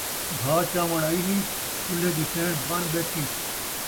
بھا چاوݨ آئی ہئی ، چُلھے دی سئیݨ بݨ ٻیٹھی